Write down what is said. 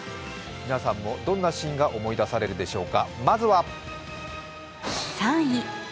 皆さんもどんなシーンが思い出されるでしょうか。